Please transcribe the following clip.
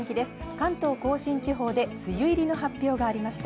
関東甲信地方で梅雨入りの発表がありました。